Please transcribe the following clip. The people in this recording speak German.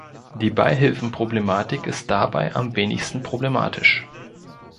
Die Beihilfenproblematik ist dabei am wenigsten problematisch.